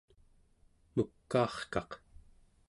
mukaarkaq